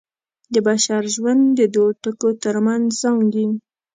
د بشر ژوند د دوو ټکو تر منځ زانګي.